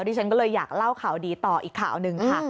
ที่ฉันก็เลยอยากเล่าข่าวดีต่ออีกข่าวหนึ่งค่ะ